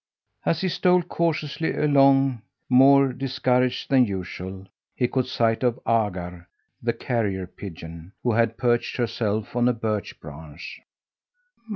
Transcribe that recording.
As he stole cautiously along, more discouraged than usual, he caught sight of Agar, the carrier pigeon, who had perched herself on a birch branch.